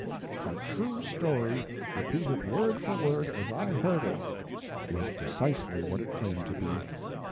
"A True Story, Repeated Word for Word as I Heard It" was precisely what it claimed to be.